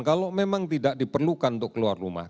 kalau memang tidak diperlukan untuk keluar rumah